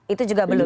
itu juga belum ya